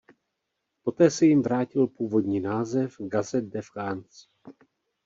Poté se jim vrátil původní název "Gazette de France".